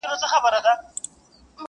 نه یوه چېغه مستانه سته زه به چیري ځمه!!